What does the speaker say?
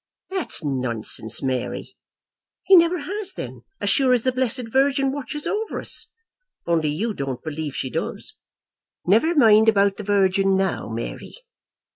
"That's nonsense, Mary." "He never has, then, as sure as the blessed Virgin watches over us; only you don't believe she does." "Never mind about the Virgin now, Mary."